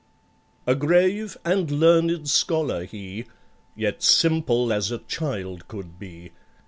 A grave and learned scholar he, Yet simple as a child could be.